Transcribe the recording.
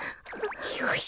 よし！